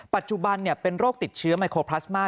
ปัจจุบันเป็นโรคติดเชื้อไมโครพลาสมา